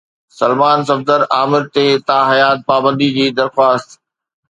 سلمان صفدر عامر تي تاحيات پابندي جي درخواست